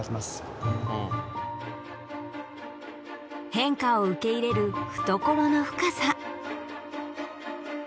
変化を受け入れる懐の深さ。